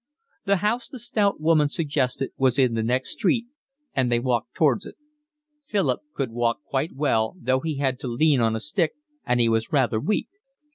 The house the stout woman suggested was in the next street, and they walked towards it. Philip could walk quite well, though he had to lean on a stick, and he was rather weak.